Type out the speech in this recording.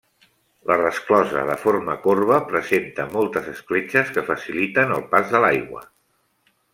La resclosa, de forma corba, presenta moltes escletxes que faciliten el pas de l'aigua.